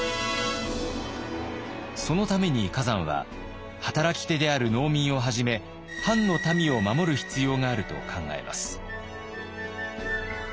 そのために崋山は働き手である農民をはじめ藩の民を守る必要があると考えます。